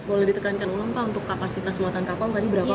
boleh ditekankan ulang pak untuk kapasitas muatan kapal tadi berapa pak